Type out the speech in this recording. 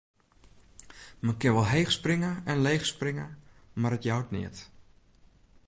Men kin wol heech springe en leech springe, mar it jout neat.